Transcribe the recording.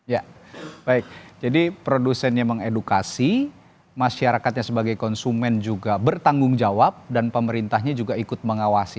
ya baik jadi produsennya mengedukasi masyarakatnya sebagai konsumen juga bertanggung jawab dan pemerintahnya juga ikut mengawasi